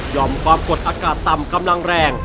ความกดอากาศต่ำกำลังแรง